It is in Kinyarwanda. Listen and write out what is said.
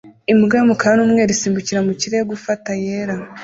imbwa y'umukara n'umweru isimbukira mu kirere gufata yera